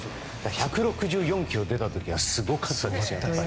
１６４キロ出た時はすごかったですよね。